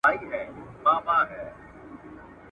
له غلامه تر باداره شرمنده یې د روزګار کې ..